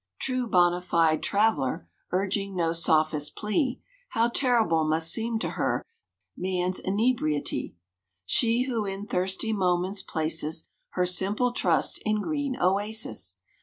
"= True "bona fide traveller" `Urging no sophist plea, How terrible must seem to her `Man's inebriety; She who in thirsty moments places Her simple trust in green oases.